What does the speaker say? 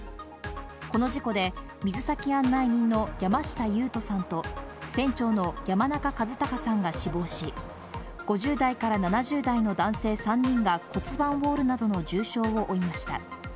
この事故で、水先案内人の山下勇人さんと、船長の山中和孝さんが死亡し、５０代から７０代の男性３人が骨盤を折るなどの重傷を負いました。